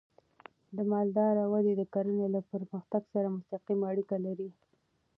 د مالدارۍ وده د کرنې له پرمختګ سره مستقیمه اړیکه لري.